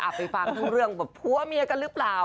ไปฟังทั้งเรื่องแบบผัวเมียกันหรือเปล่า